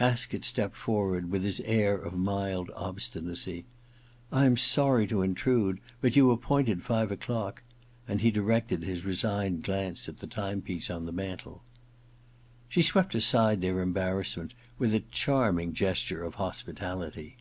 Haskett stepped forward with his air of mild obstinacy. * I am sorry to intrude ; but you appointed five o'clock * he directed his resigned glance to the timepiece on the mantel. She swept aside their embarrassment with a charming gesture of hospitality.